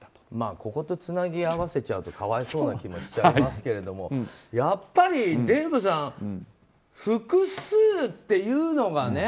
こことつなぎ合わせちゃうと可哀想な気もしちゃいますけどやっぱり、デーブさん複数っていうのがね。